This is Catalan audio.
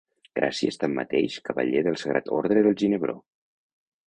Gràcies, tanmateix, cavaller del Sagrat Orde del Ginebró.